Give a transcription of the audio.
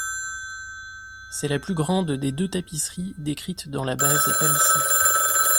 C'est la plus grande des deux tapisseries décrites dans la base Palissy.